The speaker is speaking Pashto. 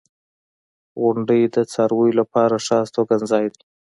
• غونډۍ د څارویو لپاره ښه استوګنځای دی.